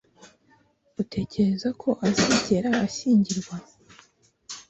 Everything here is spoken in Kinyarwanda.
Utekereza ko azigera ashyingirwa?